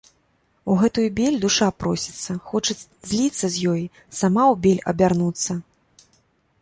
У гэтую бель душа просіцца, хоча зліцца з ёй, сама ў бель абярнуцца.